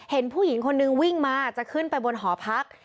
เห็นผู้หญิงคนนึงวิ่งมาจะขึ้นไปบนหอพัก